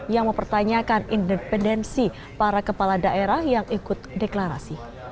yang mempertanyakan independensi para kepala daerah yang ikut deklarasi